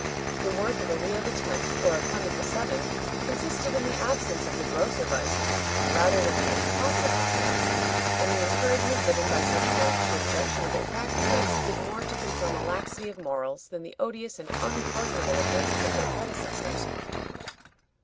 The worth of a Leo X. or a Clement VII. consisted in the absence of the grosser vices rather than in any positive excellence, and the encouragement given by such men to objectionable practices did more to confirm a laxity of morals than the odious and unpardonable offenses of their predecessors.